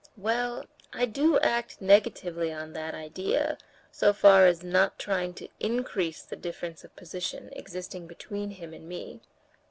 "Well, I do act negatively on that idea, so far as not trying to increase the difference of position existing between him and me."